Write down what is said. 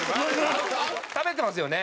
食べてますよね？